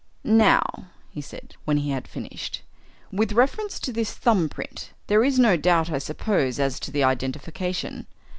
"Now," he said, when he had finished, "with reference to this thumb print. There is no doubt, I suppose, as to the identification?"